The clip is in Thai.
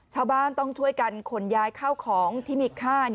ชาวบ้านต้องช่วยกันขนย้ายข้าวของที่มีค่า